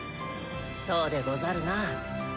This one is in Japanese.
そうでござるな。